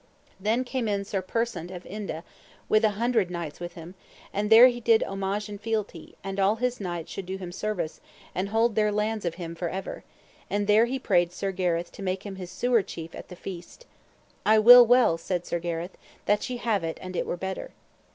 Then came in Sir Persant of Inde, with an hundred knights with him, and there he did homage and fealty, and all his knights should do him service, and hold their lands of him for ever; and there he prayed Sir Gareth to make him his sewer chief at the feast. I will well, said Sir Gareth, that ye have it and it were better.